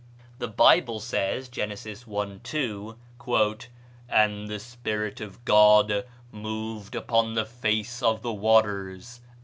The Bible says (Gen. i., 2), "And the Spirit of God moved upon the face of the waters."